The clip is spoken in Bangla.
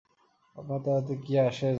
আপনার তাহাতে কী আসে যায়।